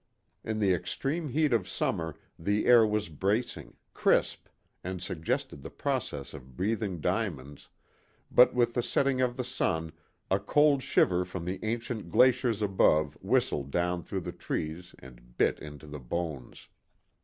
In the extreme heat of summer the air was bracing, crisp, and suggested the process of breathing diamonds, but with the setting of the sun a cold shiver from the ancient glaciers above whistled down through the trees and bit into the bones.